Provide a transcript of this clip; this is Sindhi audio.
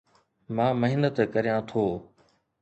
مان محنت ڪريان ٿو